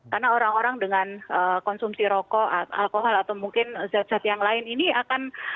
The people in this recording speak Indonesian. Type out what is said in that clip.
karena orang orang dengan konsumsi rokok alkohol atau mungkin zat zat yang lain ini akan